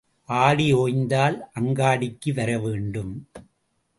ஆடி ஓய்ந்தால் அங்காடிக்கு வர வேண்டும்.